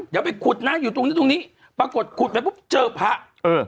เดี๋ยวไปขุดนะอยู่ตรงนี้ตรงนี้ปรากฏขุดไปปุ๊บเจอพระเออ